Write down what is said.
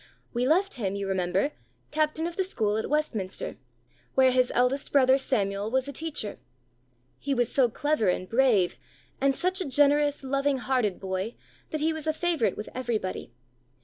We left him, you remember, captain of the school at Westminster, where his eldest brother Samuel was a teacher. He was so clever and brave, and such a generous, loving hearted boy, that he was a favourite with everybody.